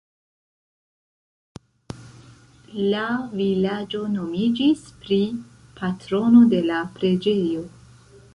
La vilaĝo nomiĝis pri patrono de la preĝejo.